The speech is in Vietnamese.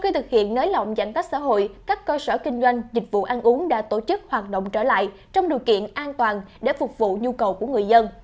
trong giãn tác xã hội các cơ sở kinh doanh dịch vụ ăn uống đã tổ chức hoạt động trở lại trong điều kiện an toàn để phục vụ nhu cầu của người dân